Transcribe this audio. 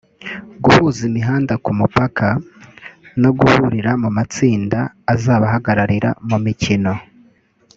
guhuza imihanda ku mupaka no guhurira mu matsinda azabahagararira mu mikino